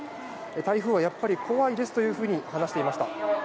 台風はやっぱり怖いですというふうに話していました。